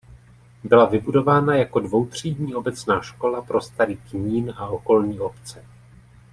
Byla vybudována jako dvoutřídní obecná škola pro Starý Knín a okolní obce.